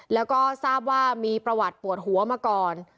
แล้วก็ทราบว่ามีประวัติปวดหัวมาก่อน